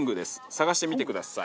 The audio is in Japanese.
探してみてください。